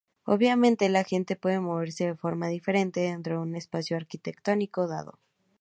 Obviamente la gente puede moverse de forma diferente dentro de un espacio arquitectónico dado.